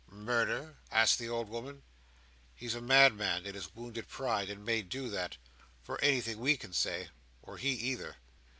"Murder?" asked the old woman. "He's a madman, in his wounded pride, and may do that, for anything we can say, or he either."